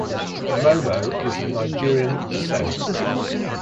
Momoh is of Nigerian descent.